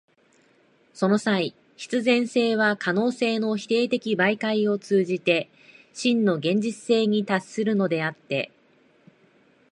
その際、必然性は可能性の否定的媒介を通じて真の現実性に達するのであって、